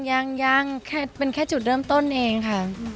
ยังแค่เป็นแค่จุดเริ่มต้นเองค่ะ